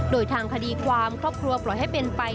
โดยทางคดีความครอบครัวปล่อยให้เป็นไป